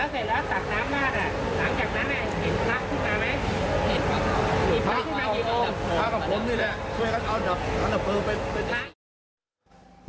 ช่วยกับเขาตัดฝนะเปิวไป